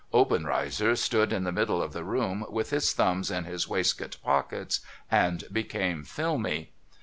Oben reizer stood in the middle of the room with his thumbs in his waistcoat pockets, and became filmy.